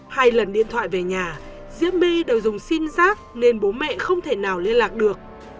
hai lần điện thoại về nhà diễm my đều dùng sim giác nên bố mẹ không thể nào liên lạc được